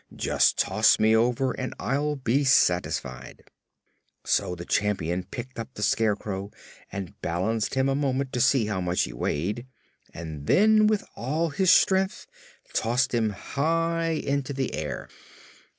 "Just toss me over and I'll be satisfied." So the Champion picked up the Scarecrow and balanced him a moment, to see how much he weighed, and then with all his strength tossed him high into the air.